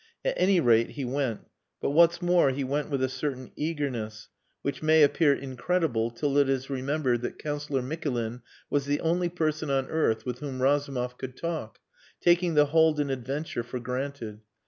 At any rate, he went; but, what's more, he went with a certain eagerness, which may appear incredible till it is remembered that Councillor Mikulin was the only person on earth with whom Razumov could talk, taking the Haldin adventure for granted.